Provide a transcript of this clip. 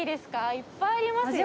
いっぱいありますよ。